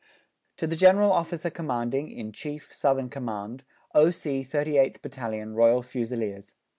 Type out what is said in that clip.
To the General Officer Commanding in Chief, Southern Command. O.C. 38TH BN. ROYAL FUSILIERS.